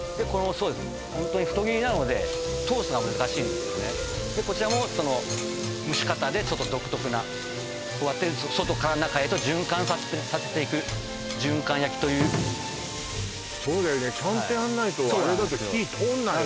ホントに太切りなので通すのが難しいんですよねこちらも蒸し方でちょっと独特なこうやって外から中へと循環させていく循環焼きというそうだよねちゃんとやんないとあれだと火通んないよね